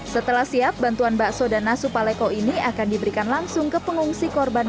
setelah siap bantuan bakso dan nasu paleko ini akan diberikan langsung ke pengungsi korban